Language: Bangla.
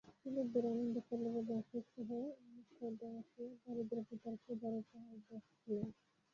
ছেলেদের আনন্দকলরবে আকৃষ্ট হইয়া মোক্ষদা আসিয়া দরিদ্র পিতার পূজার উপহার দেখিলেন।